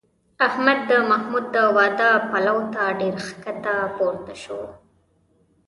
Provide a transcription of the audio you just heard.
احمد د محمود د واده پلو ته ډېر ښکته پورته شو.